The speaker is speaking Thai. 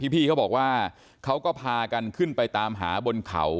พี่เขาบอกว่าเขาก็พากันขึ้นไปตามหาบนเขา